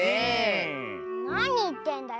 なにいってんだよ。